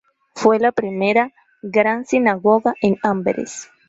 Fue la primera gran sinagoga en Amberes.